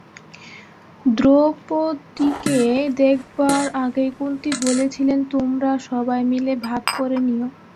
দ্রৌপদীকে দেখবার আগেই কুন্তী বলেছিলেন, তোমরা সবাই মিলে ভাগ করে নিয়ো।